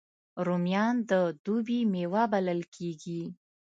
رومیان د دوبي میوه بلل کېږي